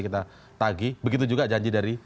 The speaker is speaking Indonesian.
kita tagi begitu juga janji dari